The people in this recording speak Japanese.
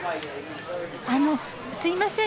あのすいません。